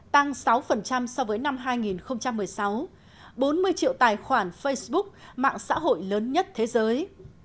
tăng sáu so với năm hai nghìn một mươi sáu bốn mươi triệu tài khoản facebook mạng xã hội lớn nhất thế giới